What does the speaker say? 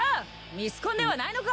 ミスコンではないのか！